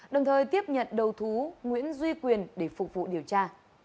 đồng thời tiếp nhận đầu thú nguyễn duy quyền để phục vụ điều tra